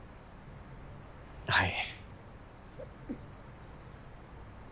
はい。